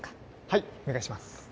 はいお願いします